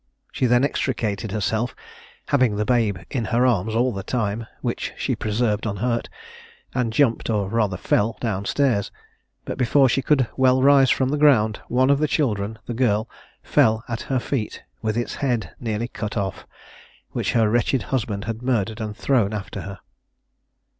She then extricated herself (having the babe in her arms all the time, which she preserved unhurt), and jumped, or rather fell, down stairs; but before she could well rise from the ground, one of the children (the girl) fell at her feet, with its head nearly cut off, which her wretched husband had murdered and thrown after her.